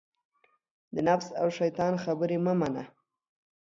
د نفس او دشیطان خبرې مه منه